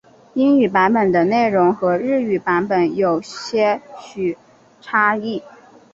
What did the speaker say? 英语版本的内容和日语版本有些许差异。